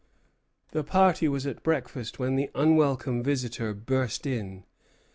The party was at breakfast when the unwelcome visitor burst in.